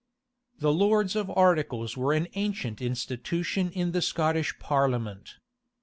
The lords of articles were an ancient institution in the Scottish parliament.